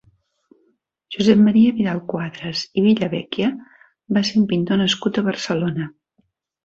Josep Maria Vidal-Quadras i Villavecchia va ser un pintor nascut a Barcelona.